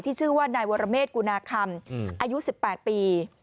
ชื่อว่านายวรเมฆกุณาคำอายุ๑๘ปี